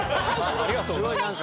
ありがとうございます。